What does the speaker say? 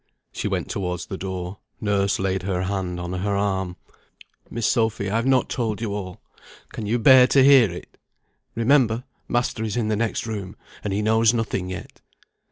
She went towards the door. Nurse laid her hand on her arm. "Miss Sophy, I have not told you all. Can you bear to hear it? Remember, master is in the next room, and he knows nothing yet.